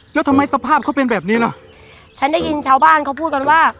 แล้วทำไมสภาพเขาเป็นแบบนี้ล่ะฉันได้ยินชาวบ้านเขาพูดกันว่า